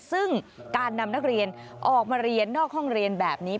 ซึ่งการนำนักเรียนออกมาเรียนนอกห้องเรียนแบบนี้